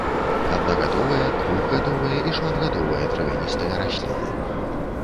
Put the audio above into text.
Аднагадовыя, двухгадовыя і шматгадовыя травяністыя расліны.